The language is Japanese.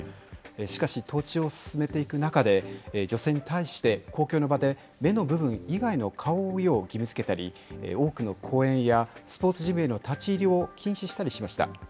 しかし、統治を進めていく中で、女性に対して公共の場で目の部分以外の顔を覆うよう義務づけたり、多くの公園やスポーツジムへの立ち入りを禁止したりしました。